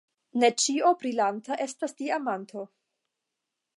Ne ĉio brilanta estas diamanto.